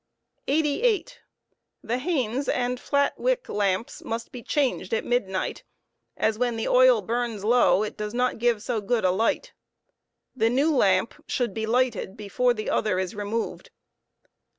83. The Bains and llat wick" lamps must be changed at midnight, as when the oil c bnn Kin g \a\v it does not give so good a light. The new lamp should he lighted before be other is removed.